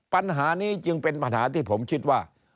ปัญหานี้จึงเป็นปัญหาที่ผมคิดว่า